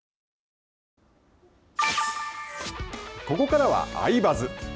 ここからは「アイバズ」。